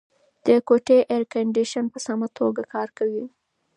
د کوټې اېرکنډیشن په سمه توګه کار کوي.